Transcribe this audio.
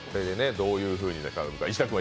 どういうふうになるのか。